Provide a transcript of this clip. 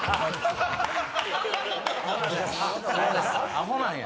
アホなんや。